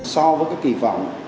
so với kỳ vọng